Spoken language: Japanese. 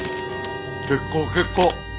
結構結構。